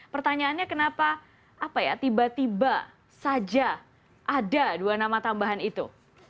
pertanyaannya kenapa apa ya tiba tiba saja ada dua nama tambahan itu